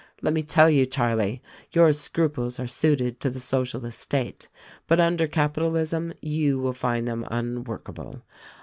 Let me tell you Charlie, your scruples are suited to the Socialist state ; but under capitalism you will find them unworkable.